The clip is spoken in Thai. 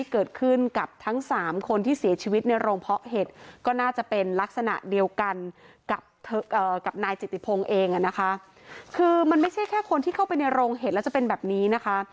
กับนายจิตติพงศ์เองคือมันไม่ใช่แค่คนที่เข้าไปในโรงเห็ดแล้วจะเป็นแบบนี้นะคะ